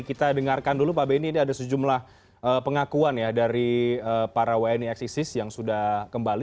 kita dengarkan dulu pak benny ini ada sejumlah pengakuan ya dari para wni eksisis yang sudah kembali